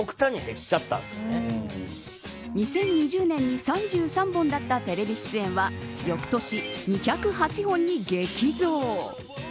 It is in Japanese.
２０２０年に３３本だったテレビ出演は翌年２０８本に激増。